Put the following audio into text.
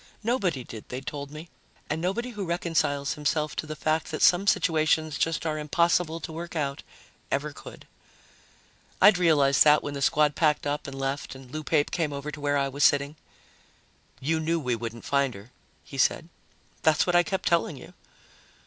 Nobody did, they'd told me, and nobody who reconciles himself to the fact that some situations just are impossible to work out ever could. I'd realized that when the squad packed up and left and Lou Pape came over to where I was sitting. "You knew we wouldn't find her," he said. "That's what I kept telling you."